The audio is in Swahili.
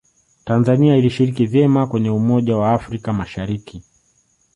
tanzania ilishiriki vema kwenye umoja wa afrika mashariki